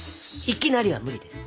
「いきなり」は無理です。